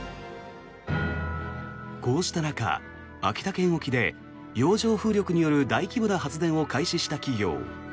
こうした中、秋田県沖で洋上風力による大規模な発電を開始した企業